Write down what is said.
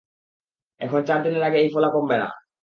এখন, চার দিনের আগে এই ফোলা কমবে না।